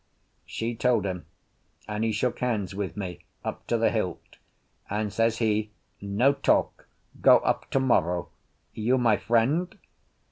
She told him, and he shook hands with me up to the hilt, and, says he: "No talk. Go up to morrow. You my friend?"